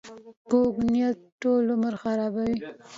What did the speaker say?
کوږ نیت ټول عمر خرابوي